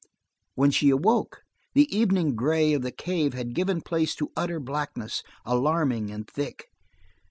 When she awoke, the evening gray of the cave had given place to utter blackness, alarming and thick.